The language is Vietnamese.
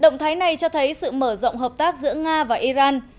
động thái này cho thấy sự mở rộng hợp tác giữa nga và iran